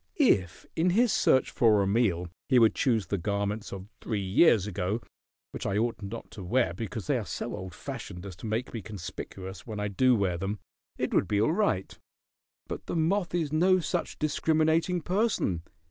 If in his search for a meal he would choose the garments of three years ago, which I ought not to wear because they are so old fashioned as to make me conspicuous when I do wear them, it would be all right. But the moth is no such discriminating person.